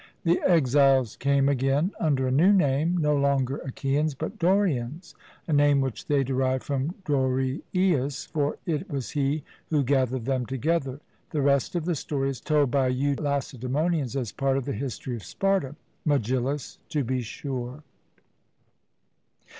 The exiles came again, under a new name, no longer Achaeans, but Dorians, a name which they derived from Dorieus; for it was he who gathered them together. The rest of the story is told by you Lacedaemonians as part of the history of Sparta. MEGILLUS: To be sure.